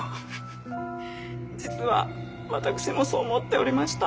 実は私もそう思っておりました。